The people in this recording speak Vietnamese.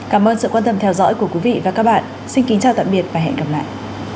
cảm ơn các bạn đã theo dõi và hẹn gặp lại